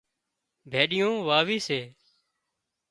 ڀيڏيون واوي سي